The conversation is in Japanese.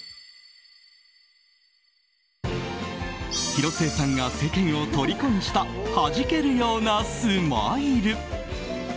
広末さんが世間をとりこにしたはじけるようなスマイル。